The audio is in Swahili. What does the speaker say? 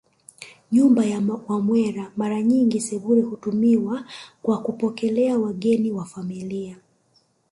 Nyumba ya Wamwera Mara nyingi sebule hutumiwa kwa kupokelea wageni wa familia